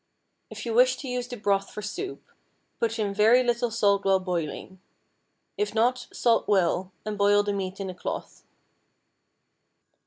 If you wish to use the broth for soup, put in very little salt while boiling; if not, salt well, and boil the meat in a cloth.